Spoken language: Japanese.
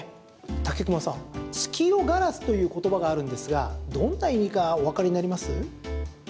武隈さん月夜烏という言葉があるんですがどんな意味かおわかりになります？